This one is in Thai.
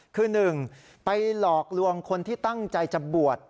คือ๑ไปหลอกลวงคนที่ตั้งใจจะบวช